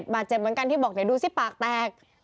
บาดเจ็บเหมือนกันที่บอกเดี๋ยวดูสิปากแตก